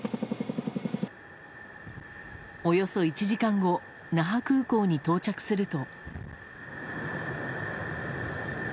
およそ１時間後那覇空港に到着すると。